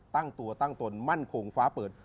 ตั้งตัวตั้งตนมั่นคงฟ้าเปิด